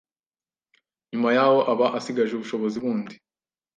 nyuma yaho aba asigaje ubushobozi bundi